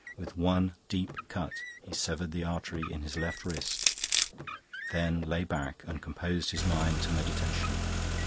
With one deep cut he severed the artery in his left wrist, then lay back and composed his mind to meditation.